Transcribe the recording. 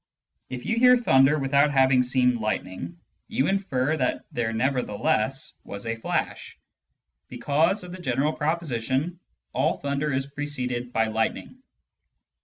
If you hear thunder without having seen lightning, you infer that there nevertheless was a flash, because of the general proposition, " All thunder is preceded by lightning."